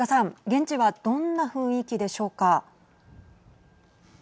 現地はどんな雰囲気でしょうか。